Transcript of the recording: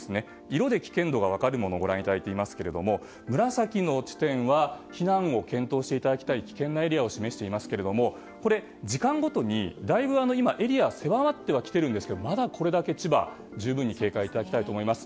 色で危険度が分かるものをご覧いただいていますが紫の地点は避難を検討していただきたい危険なエリアを示していますがこれ時間ごとにエリアが狭まってはきているんですがまだこれだけ千葉、十分に警戒いただきたいと思います。